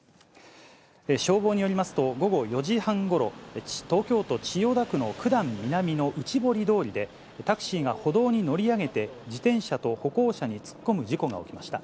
消防によりますと、午後４時半ごろ、東京都千代田区の九段南のうちぼり通りで、タクシーが歩道に乗り上げて、自転車と歩行者に突っ込む事故が起きました。